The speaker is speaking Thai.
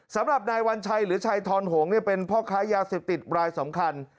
สำหรับนายวัญชัยหรือชัยทอนหงษ์เป็นพ่อค้ายาเสพติดรายสำคัญ